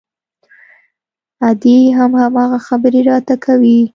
ادې هم هماغه خبرې راته کوي.